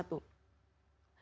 kan disebutkan ada satu kisah